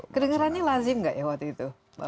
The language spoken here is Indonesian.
kedengarannya lazim nggak ya waktu itu